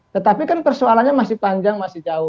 tetapi kan persoalannya masih panjang masih jauh